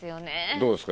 どうですか？